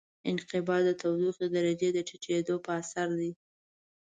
انقباض د تودوخې د درجې د ټیټېدو په اثر دی.